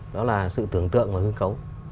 đó là sự tưởng tượng và hướng cấu